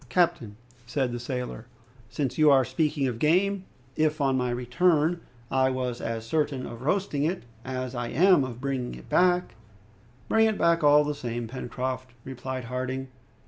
"Captain," said the sailor, "since you are speaking of game, if on my return, I was as certain of roasting it as I am of bringing it back " "Bring it back all the same, Pencroft," replied Harding.